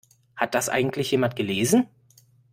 Hat das eigentlich jemand gelesen?